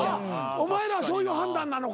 お前らはそういう判断なのか。